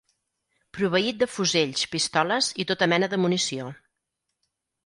Proveït de fusells, pistoles i tota mena de munició.